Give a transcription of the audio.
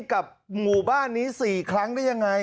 กับหมู่บ้านนี้๔ครั้งได้ยังไง